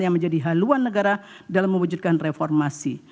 yang menjadi haluan negara dalam mewujudkan reformasi